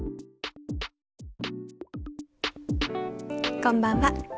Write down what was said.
こんばんは。